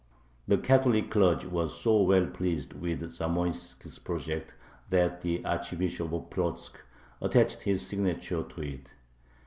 The Catholic clergy was so well pleased with Zamoiski's project that the Archbishop of Plotzk attached his signature to it.